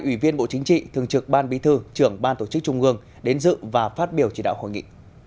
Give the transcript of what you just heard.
ủy viên bộ chính trị thường trực ban bí thư trưởng ban tổ chức trung ương đến dự và phát biểu chỉ đạo hội nghị